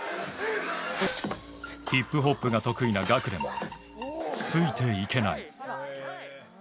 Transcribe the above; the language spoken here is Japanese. ヒップホップが得意なＧＡＫＵでもついていけない。